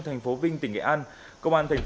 thành phố vinh tỉnh nghệ an